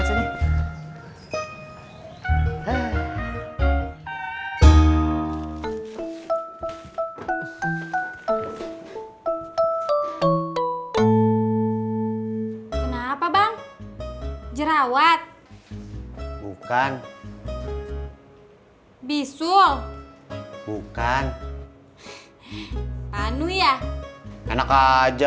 kenapa bang jerawat bukan bisul bukan panuyah enak aja